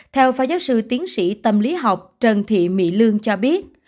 theo phó giáo sư tiến sĩ tâm lý học trần thị mỹ lương cho biết